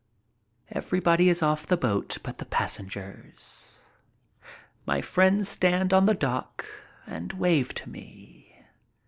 Everybody is off the boat but the passengers. My friends stand on the dock and wave to me.